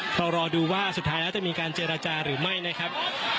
รอดูว่าสุดท้ายแล้วจะมีการเจรจาหรือไม่นะครับ